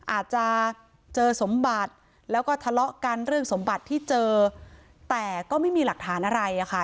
อาจจะเจอสมบัติแล้วก็ทะเลาะกันเรื่องสมบัติที่เจอแต่ก็ไม่มีหลักฐานอะไรอ่ะค่ะ